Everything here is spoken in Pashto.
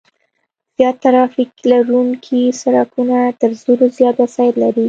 زیات ترافیک لرونکي سرکونه تر زرو زیات وسایط لري